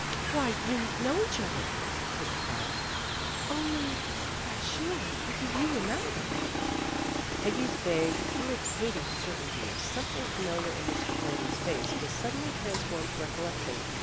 "Why, you know each other," Peggy cried. "Only why, surely, Peggy, you remember." Peggy's vague, irritating certainty of some thing familiar in Mr. Kennedy's face was sud denly transformed to recollection.